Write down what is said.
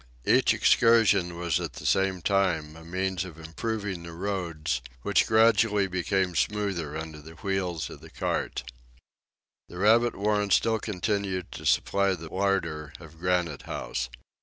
Each excursion was at the same time a means of improving the roads, which gradually became smoother under the wheels of the cart. The rabbit warren still continued to supply the larder of Granite House.